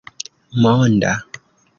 monda